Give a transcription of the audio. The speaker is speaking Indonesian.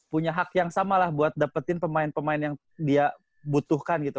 punya hak yang sama lah buat dapetin pemain pemain yang dia butuhkan gitu